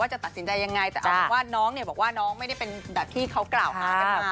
จะตัดสินใจยังไงแต่เอาเป็นว่าน้องเนี่ยบอกว่าน้องไม่ได้เป็นแบบที่เขากล่าวหากันมา